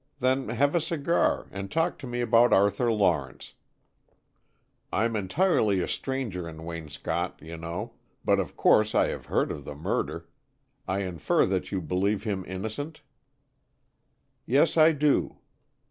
Then have a cigar, and talk to me about Arthur Lawrence. I'm entirely a stranger in Waynscott, you know, but of course I have heard of the murder. I infer that you believe him innocent." "Yes, I do."